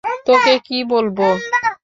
তোকে কি বলবো?